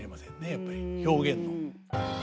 やっぱり表現の。